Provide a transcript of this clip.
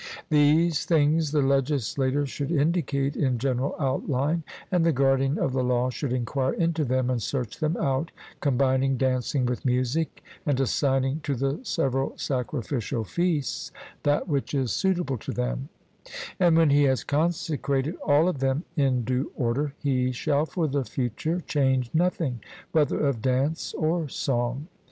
These things the legislator should indicate in general outline, and the guardian of the law should enquire into them and search them out, combining dancing with music, and assigning to the several sacrificial feasts that which is suitable to them; and when he has consecrated all of them in due order, he shall for the future change nothing, whether of dance or song.